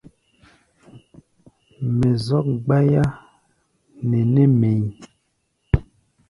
Mɛ zɔ́k gbáyá nɛ nɛ́ mɛ̧ʼí̧.